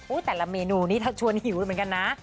อุ๊ยแต่ละเมนูนี้ทำชวนหิวเหมือนกันนะ